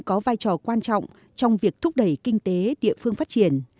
có vai trò quan trọng trong việc thúc đẩy kinh tế địa phương phát triển